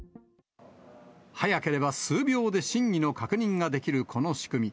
早ければ数秒で真偽の確認ができるこの仕組み。